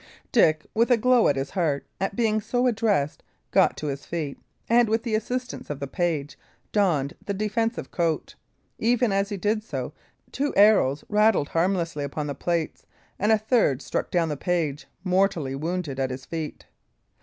Dick, with a glow at his heart at being so addressed, got to his feet and, with the assistance of the page, donned the defensive coat. Even as he did so, two arrows rattled harmlessly upon the plates, and a third struck down the page, mortally wounded, at his feet.